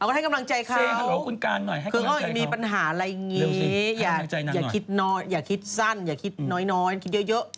ก็ให้กำลังใจเขาอย่ามีปัญหาอะไรอย่างนี้อย่าคิดน้อยอย่าคิดสั้นอย่าคิดน้อยคิดเยอะ